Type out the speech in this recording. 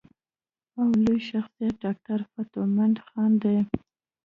او لوئ شخصيت ډاکټر فتح مند خان دے ۔